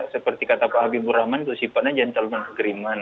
seperti kata pak habibur rahman itu sifatnya jancal dan kegeriman